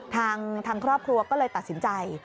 ทางครอบครัวก็เลยตัดสินใจ